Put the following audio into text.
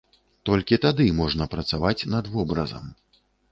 Толькі тады можна працаваць над вобразам.